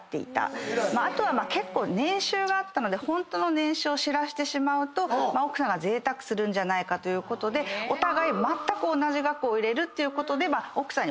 あと結構年収あったのでホントの年収を知らせてしまうと奥さんが贅沢するんじゃないかということでお互いまったく同じ額を入れることで奥さんにお金を使わないようにしてた。